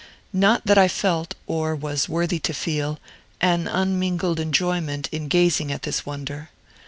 Not that I felt, or was worthy to feel, an unmingled enjoyment in gazing at this wonder.